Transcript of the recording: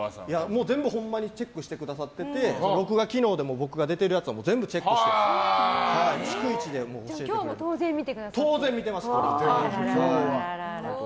もう全部ほんまにチェックしてくださっていて録画機能で、僕が出てるやつを全部チェックして今日も当然見てくれていると。